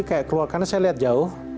karena saya lihat jauh